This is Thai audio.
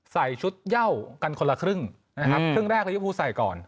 ใส่ชุดเย่ากันคนละครึ่งนะครับครึ่งแรกลิภูใส่ก่อน